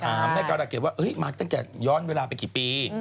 แม่การะเกดว่ามาตั้งแต่ย้อนเวลาไปกี่ปี